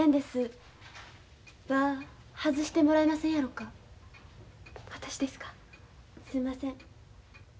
すんません。